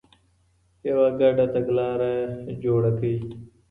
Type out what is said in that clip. يوه ګډه تګلاره جوړه کړئ.